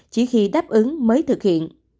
chỉ khi đáp ứng mới thực hiện